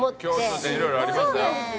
共通点いろいろありましたよ。